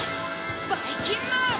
ばいきんまん！